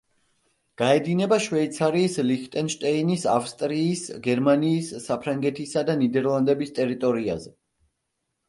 გაედინება შვეიცარიის, ლიხტენშტაინის, ავსტრიის, გერმანიის, საფრანგეთისა და ნიდერლანდების ტერიტორიაზე.